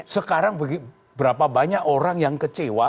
sekarang berapa banyak orang yang kecewa